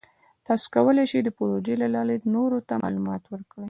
تاسو کولی شئ د پروژې له لارې نورو ته معلومات ورکړئ.